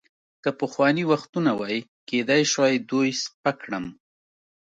که پخواني وختونه وای، کیدای شوای دوی سپک کړم.